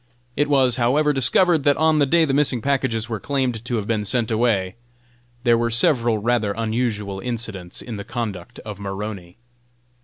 It was, however, discovered that on the day the missing packages were claimed to have been sent away, there were several rather unusual incidents in the conduct of Maroney.